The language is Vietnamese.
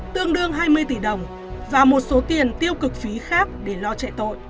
tương đương hai mươi tỷ đồng và một số tiền tiêu cực phí khác để lo chạy tội